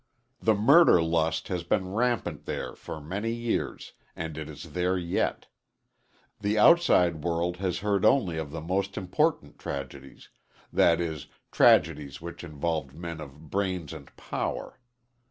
The murder lust has been rampant there for many years, and it is there yet. The outside world has heard only of the most important tragedies, that is, tragedies which involved men "of brains and power."